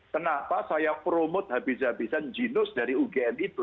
kenapa saya promote habis habisan ginos dari ugm itu